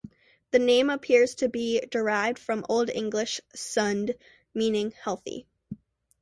The name appears to be derived from Old English "sund", meaning "healthy".